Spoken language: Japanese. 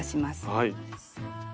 はい。